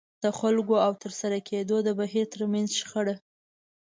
د خلکو او د ترسره کېدو د بهير ترمنځ شخړه.